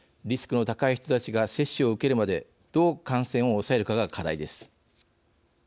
リスクの高い人たちが接種を受けるまでどう感染を抑えるかが課題です。